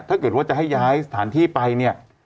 ถ้าเกิดว่าจะให้ย้ายสถานที่ไปเนี่ย